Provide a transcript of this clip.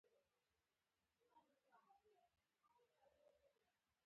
هوښیاري د عاجزۍ سره مل وي.